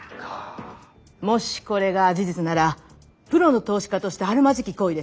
もしこれが事実ならプロの投資家としてあるまじき行為です。